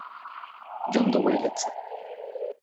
Deomp da welet !